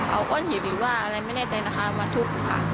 เอาก้อนหินหรือว่าอะไรไม่แน่ใจนะคะมาทุบค่ะ